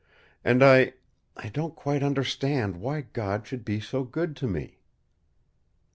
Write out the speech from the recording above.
And I I don't quite understand why God should be so good to me."